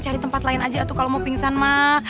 cari tempat lain aja tuh kalau mau pingsan mak